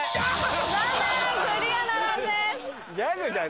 残念クリアならずです。